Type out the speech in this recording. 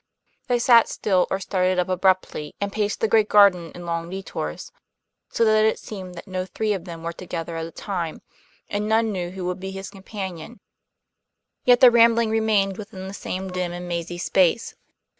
They sat still or started up abruptly, and paced the great garden in long detours, so that it seemed that no three of them were together at a time, and none knew who would be his companion; yet their rambling remained within the same dim and mazy space.